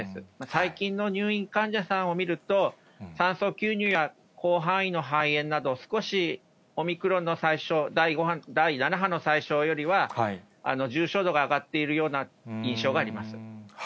最近の入院患者さんを見ると、酸素吸入や広範囲の肺炎など、少し、オミクロンの最初、第７波の最初よりは、重症度が上がっているような印象があります。